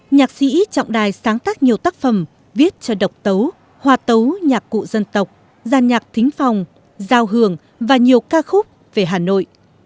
nhạc sĩ trọng đài sáng tác nhiều tác phẩm viết cho độc tấu hòa tấu nhạc cụ dân tộc giàn nhạc thính phòng giao hưởng và nhiều ca khúc về hà nội